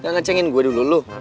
gak ngecengin gue dulu lu